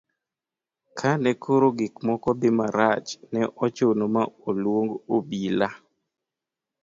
kane koro gik moko dhi marach, ne ochuno ma oluong obila